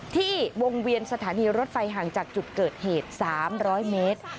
ที่วงเวียนสถานีรถไฟห่างจากจุดเกิดเหตุ๓๐๐เมตร